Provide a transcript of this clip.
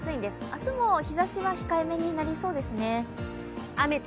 明日も日ざしは控えめになりそうですね。